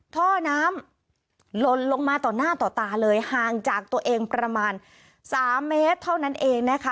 ท่อน้ำหล่นลงมาต่อหน้าต่อตาเลยห่างจากตัวเองประมาณ๓เมตรเท่านั้นเองนะคะ